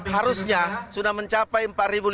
harusnya sudah mencapai empat lima ratus